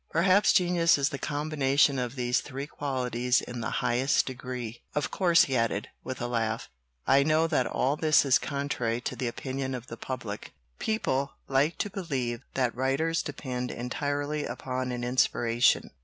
Perhaps genius is the combination of these three qualities in the highest degree. "Of course," he added, with a laugh, "I know that all this is contrary to the opinion of the public. People like to believe that writers depend entirely upon an inspiration.